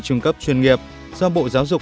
trung cấp chuyên nghiệp do bộ giáo dục